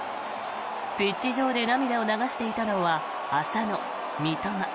ピッチ上で涙を流していたのは浅野、三笘。